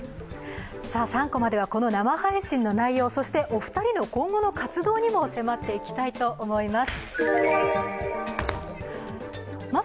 ３コマではこの生配信の内容、そして、お二人の今後の活動にも迫っていきたいと思います。